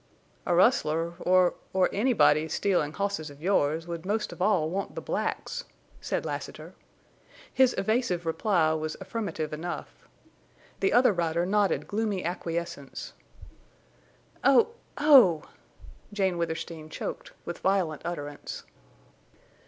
"A rustler—or—or anybody stealin' hosses of yours would most of all want the blacks," said Lassiter. His evasive reply was affirmative enough. The other rider nodded gloomy acquiescence. "Oh! Oh!" Jane Withersteen choked, with violent utterance.